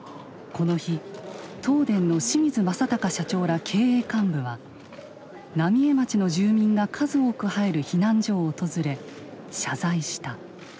この日東電の清水正孝社長ら経営幹部は浪江町の住民が数多く入る避難所を訪れ謝罪した。